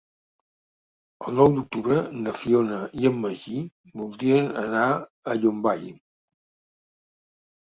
El nou d'octubre na Fiona i en Magí voldrien anar a Llombai.